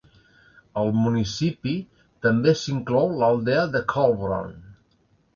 Al municipi, també s'inclou l'aldea de Kollbrunn.